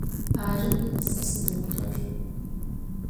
Arı, se sıdoktor.